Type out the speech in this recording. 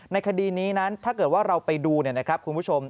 ในคดีนี้นั้นถ้าเกิดว่าเราไปดูคุณผู้ชม